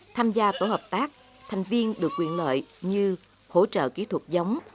tham gia tổ hợp tác thành viên được quyền lợi như hỗ trợ kỹ thuật giống